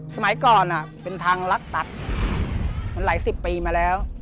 สมัยก่อนเป็นทางลักตัดมันหลายสิบปีมาแล้ว